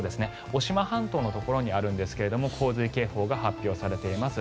渡島半島のところにあるんですが洪水警報が発表されています。